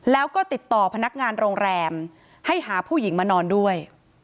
แล้วก็ติดต่อพนักงานโรงแรมให้หาผู้หญิงมานอนด้วย